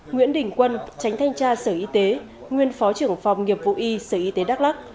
nguyễn đình quân tránh thanh tra sở y tế nguyên phó trưởng phòng nghiệp vụ y sở y tế đắk lắc